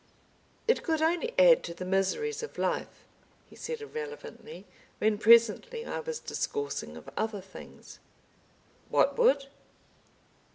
"It could only add to the miseries of life," he said irrelevantly, when presently I was discoursing of other things. "What would?"